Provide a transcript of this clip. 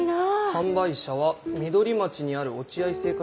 販売者は緑町にある落合製菓食品。